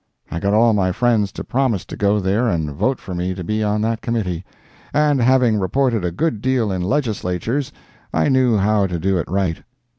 I got all my friends to promise to go there and vote for me to be on that committee—and having reported a good deal in Legislatures, I knew how to do it right.